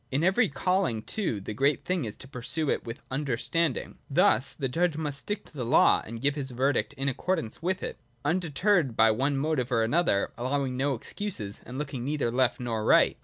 In every calling, too, the great thing is to pursue it with understanding. Thus the judge must stick to the law, and give his verdict in accordance with it, undeterred by one motive or another, allowing no excuses, and looking neither left nor right.